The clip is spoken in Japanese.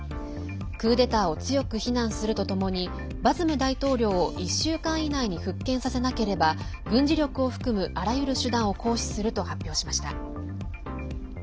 クーデターを強く非難するとともにバズム大統領を１週間以内に復権させなければ軍事力を含む、あらゆる手段を行使すると発表しました。